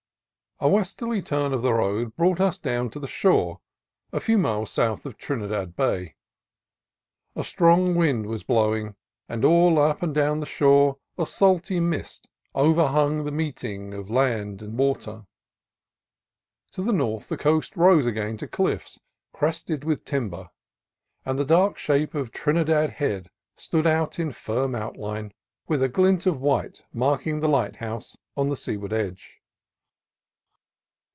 A westerly turn of the road brought us down to the shore, a few miles south of Trinidad Bay. A strong wind was blowing, and all up and down the shore a salty mist overhung the meeting of land and water. To the north the coast rose again to cliffs crested with timber, and the dark shape of Trinidad Head stood out in firm outline, with a glint of white marking the lighthouse on the seaward edge.